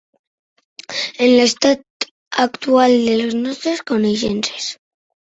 En l'estat actual de les nostres coneixences.